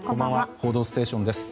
「報道ステーション」です。